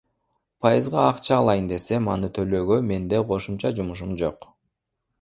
Пайызга акча алайын десем, аны төлөөгө менде кошумча жумушум жок.